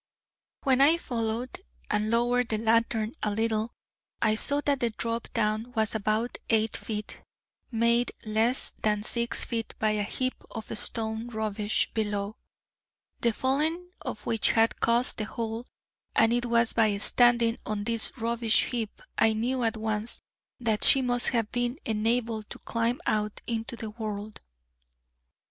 When I followed, and lowered the lantern a little, I saw that the drop down was about eight feet, made less than six feet by a heap of stone rubbish below, the falling of which had caused the hole: and it was by standing on this rubbish heap, I knew at once, that she must have been enabled to climb out into the world.